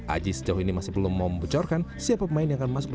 aji sejauh ini masih belum mempunyai jorkan siapa pemain yang akan masuk ke liga